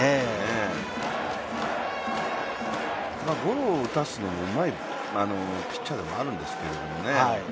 ゴロを打たせるのもうまいピッチャーではあるんですけどね。